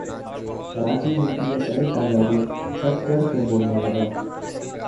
کراچی میں P S L کا جادو سر چڑھ کر بولنے لگا